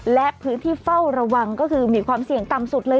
และพื้นที่เฝ้าระวังก็คือมีความเสี่ยงต่ำสุดเลย